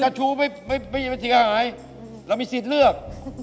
เจ้าชู้ไม่ใช่คนขายเรามีสินเลือก